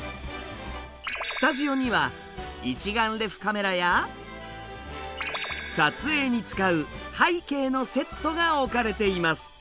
スタジオには一眼レフカメラや撮影に使う背景のセットが置かれています。